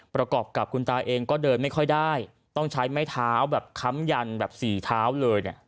ประกอบกับคุณตาเองก็เดินไม่ค่อยได้ต้องใช้ไม้เท้าแบบค้ำยันแบบสี่เท้าเลยเนี่ย